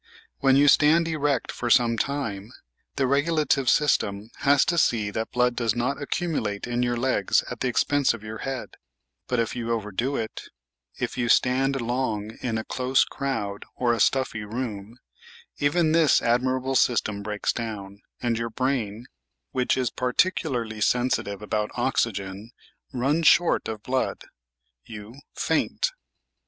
When you stand erect for some time, the regulative system has to see that blood does not accumulate in your legs at the expense of your head ; but if you overdo it — if you stand long in a close crowd or a stuflFy room — even this admirable system breaks down, and your brain, which is particularly sensitive about oxygen, runs short of blood. You "faint."